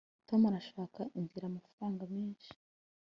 tom arashaka inzira amafaranga menshi